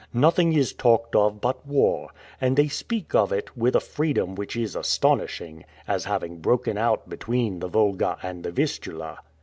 Nothing is talked of but war, and they speak of it, with a freedom which is astonishing, as having broken out between the Volga and the Vistula."